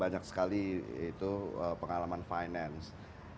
banyak sekali itu pengalaman finance